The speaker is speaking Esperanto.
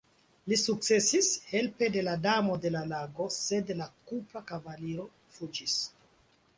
Li sukcesis, helpe de la Damo de la Lago, sed la Kupra Kavaliro fuĝis.